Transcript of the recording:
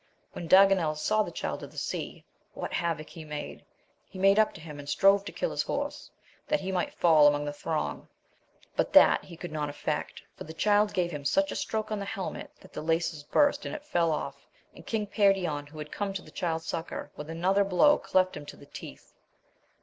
When Daganel saw the Child of the Sea, what havoc he made, he made up to him, and strove to kill his horse, that he might fall among the throng ; but that he could not effect, for the Child gave him such a stroke'on the helmet that the laces burst, and it fell off, and King Perion, who had come to the Child's succour, with another blow cleft him to the teeth.